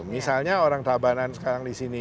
misalnya orang tabanan sekarang di sini